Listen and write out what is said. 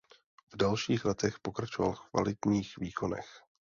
V dalších letech pokračoval v kvalitních výkonech.